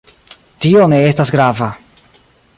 Tio ne estas grava.